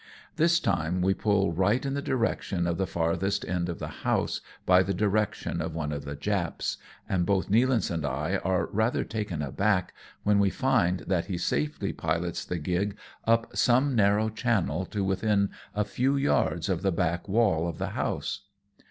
This time we pull right in the direction of the farthest end of the house by the direction of one of the Japs, and both Nealance and I are rather taken aback when we find that he safel}^ pilots the gig up some narrow channel to within a few yards of the back wall of the house.